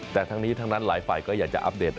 แต่ทั้งนี้ทั้งนั้นหลายฝ่ายก็อยากจะอัปเดต